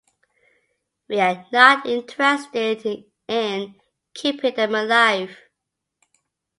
We are not interested in keeping them alive.